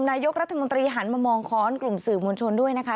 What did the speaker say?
นายกรัฐมนตรีหันมามองค้อนกลุ่มสื่อมวลชนด้วยนะคะ